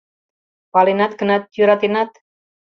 — Паленат гынат, йӧратенат?